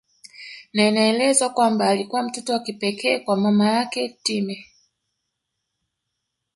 Na inaelezwa kwamba alikuwa mtoto wa kipekee kwa mama yake Time